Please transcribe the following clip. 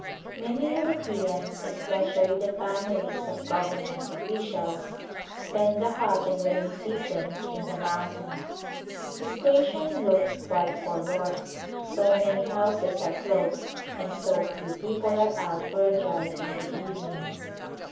Many Europeans, especially the families of government officials, spend the hot and rainy seasons in the mountains. The station looks quite forlorn, so many houses are closed and so few people are out for a drive in the evening.